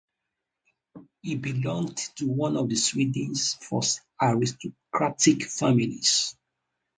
He belonged to one of Sweden's first aristocratic families.